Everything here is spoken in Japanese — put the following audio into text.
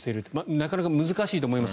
なかなか難しいと思います。